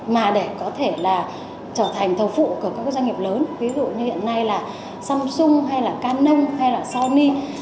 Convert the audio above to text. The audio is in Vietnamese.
vậy là trở thành thầu phụ của các doanh nghiệp lớn ví dụ như hiện nay là samsung hay là canon hay là sony